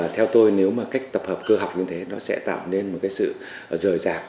theo tôi nếu mà cách tập hợp cơ học như thế nó sẽ tạo nên một cái sự rời rạc